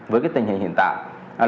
với cái tình hình hiện tại